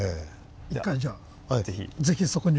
一回じゃあ是非そこに。